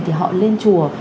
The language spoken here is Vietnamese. thì họ lên chùa